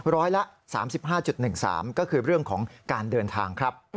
ร้อยละ๓๕๑๓ก็คือเรื่องของการเดินทางครับ